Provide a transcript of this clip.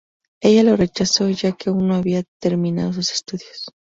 Ella lo rechazó ya que aún no había terminado sus estudios.